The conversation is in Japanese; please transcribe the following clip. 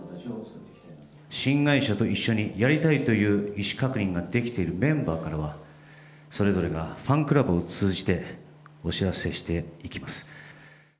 新会社と一緒にやりたいという意思確認ができてるメンバーからは、それぞれがファンクラブを通じてお知らせしていきます。